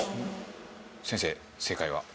先生正解は？